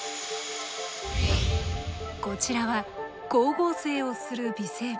こちらは光合成をする微生物。